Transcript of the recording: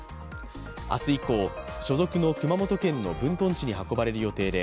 明日以降、所属の熊本県の分屯地に運ばれる予定で